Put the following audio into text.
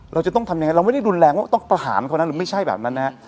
เราจะต้องทำยังไงเราไม่ได้รุนแรงว่าต้องประหารคนนั้นหรือไม่ใช่แบบนั้นนะฮะ